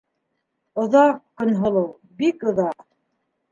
Оҙаҡ, Көнһылыу, бик оҙаҡ.